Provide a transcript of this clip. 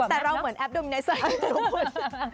แต่เราเหมือนแอปโดมิไนเซอร์อยู่ที่ตรงบน